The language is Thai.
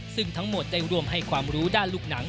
ซึ่งทั้งหมดได้ร่วมให้ความรู้ด้านลูกหนัง